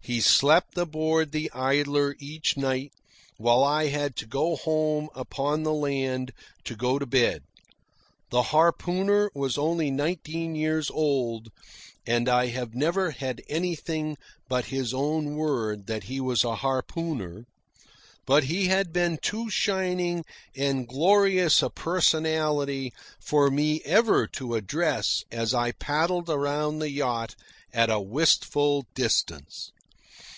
He slept aboard the Idler each night, while I had to go home upon the land to go to bed. The harpooner was only nineteen years old (and I have never had anything but his own word that he was a harpooner); but he had been too shining and glorious a personality for me ever to address as I paddled around the yacht at a wistful distance.